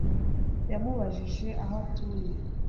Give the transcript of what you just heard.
Yamubajije aho atuye